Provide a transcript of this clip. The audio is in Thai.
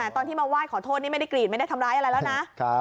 ตอนที่มาไหว้ขอโทษนี่ไม่ได้กรีดไม่ได้ทำร้ายอะไรแล้วนะ